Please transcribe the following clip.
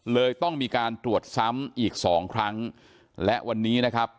เลยต้องมีการตรวจซ้ำอีกสองครั้งและวันนี้นะครับ